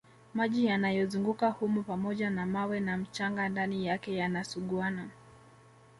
Maji yanayozunguka humo pamoja na mawe na mchanga ndani yake yanasuguana